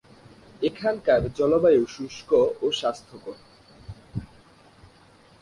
এখানকার জলবায়ু শুষ্ক ও স্বাস্থ্যকর।